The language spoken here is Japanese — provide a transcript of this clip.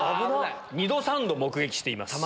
「２度３度目撃しています」。